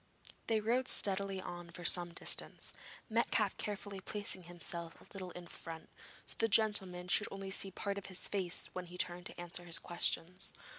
They rode steadily on for some distance, Metcalfe carefully placing himself a little in front, so that the gentleman should only see part of his face when he turned to answer his questions.